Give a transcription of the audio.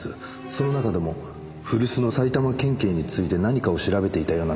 その中でも古巣の埼玉県警について何かを調べていたようなんですが。